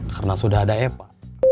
karena sudah ada epa